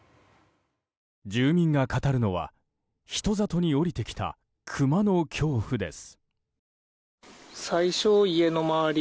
住民が語るのは、人里に下りてきたクマの恐怖です。